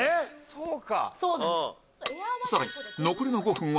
そうか！